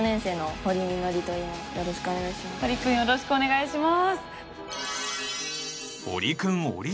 堀くんよろしくお願いします。